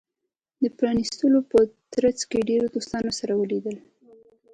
د پرانېستلو په ترڅ کې ډیرو دوستانو سره ولیدل.